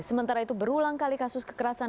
sementara itu berulang kali kasus kekerasan